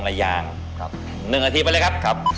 ๑นาทีไปเลยครับ